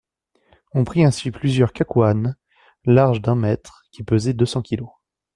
On prit ainsi plusieurs cacouannes, larges d'un mètre, qui pesaient deux cents kilos.